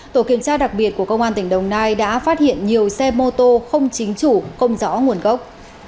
tổ kiểm tra đặc biệt của công an tỉnh đồng nai đã phát hiện nhiều xe mô tô không chính chủ không rõ nguồn gốc